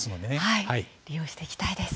利用していきたいです。